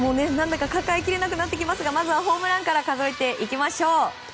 抱えきれなくなってきますがまずはホームランから数えていきましょう。